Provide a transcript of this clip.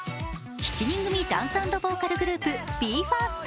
７人組ダンス＆ボーカルグループＢＥ：ＦＩＲＳＴ。